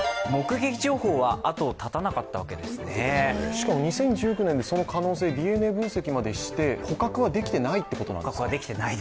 しかも２０１９年、その可能性ＤＮＡ分析までして捕獲はできていないということなんですか。